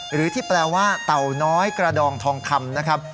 หรือที่แปลว่าเต่าน้อยกระดองทองคำนะครับ